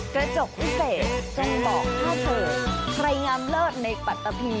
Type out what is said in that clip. กระจกพิเศษจะบอกเท่าเธอใครงามเลิศในปัตตะพี